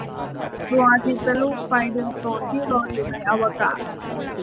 ดวงอาทิตย์เป็นลูกไฟดวงโตที่ลอยอยู่ในอวกาศ